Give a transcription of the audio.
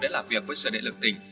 để làm việc với sở đệ lực tình